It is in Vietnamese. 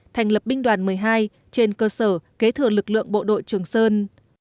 thành lập binh đoàn một mươi hai trên cơ sở kế thừa lực lượng bộ đội trường sơn